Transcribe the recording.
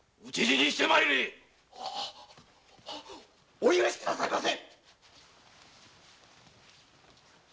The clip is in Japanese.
おおお許し下さいませ